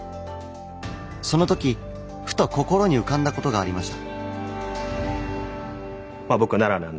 その時ふと心に浮かんだことがありました。